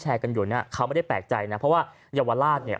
กันอยู่เนี่ยเขาไม่ได้แปลกใจนะเพราะว่าเยาวราชเนี่ย